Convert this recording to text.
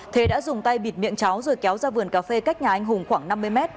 thế đã dùng tay bịt miệng cháu rồi kéo ra vườn cà phê cách nhà anh hùng khoảng năm mươi mét